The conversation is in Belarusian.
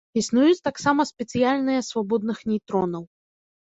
Існуюць таксама спецыяльныя свабодных нейтронаў.